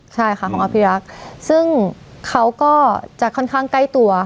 ใช่ค่ะของอภิรักษ์ซึ่งเขาก็จะค่อนข้างใกล้ตัว